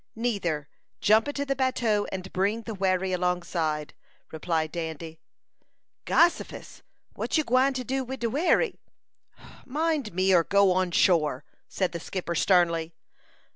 "Neither; jump into the bateau, and bring the wherry alongside," replied Dandy. "Gossifus! What you gwine to do wid de wherry?" "Mind me, or go on shore!" said the skipper, sternly.